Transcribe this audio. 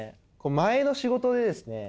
前の仕事でですね